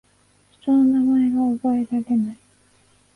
人の名前が覚えられない